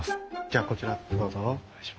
じゃあこちらどうぞ。